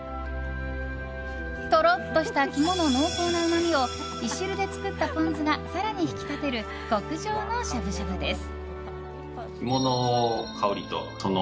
とろっとした肝の濃厚なうまみをいしるで作ったポン酢が更に引き立てる極上のしゃぶしゃぶです。